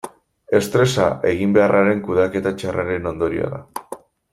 Estresa eginbeharraren kudeaketa txarraren ondorioa da.